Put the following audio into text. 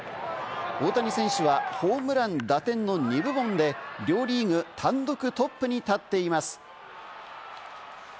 大谷選手はホームラン・打点の２部門で両リーグ単独トップに立っています。